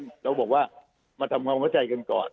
รวมกันเราบอกว่ามาทำความพอชัยกันก่อน